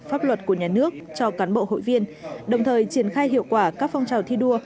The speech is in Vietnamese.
pháp luật của nhà nước cho cán bộ hội viên đồng thời triển khai hiệu quả các phong trào thi đua